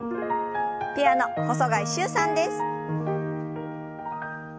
ピアノ細貝柊さんです。